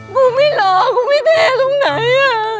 กูไม่รอกูไม่เทลงไหน